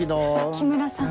木村さん。